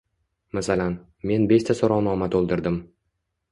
Masalan, men beshta so‘rovnoma to‘ldirdim.